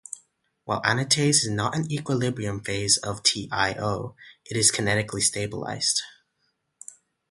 While anatase is not an equilibrium phase of TiO, it is kinetically stabilized.